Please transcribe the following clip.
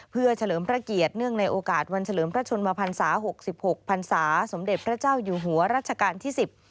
เพื่อเฉลิมพระเกียรติเนื่องในโอกาสวันเฉลิมพระชนมพันศา๖๖พันศาสมเด็จพระเจ้าอยู่หัวรัชกาลที่๑๐